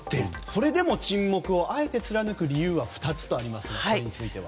それでも沈黙をあえて貫く理由は２つとありますが。